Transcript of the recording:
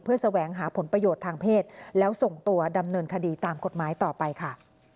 แสวงหาผลประโยชน์ทางเพศแล้วส่งตัวดำเนินคดีตามกฎหมายต่อไปค่ะ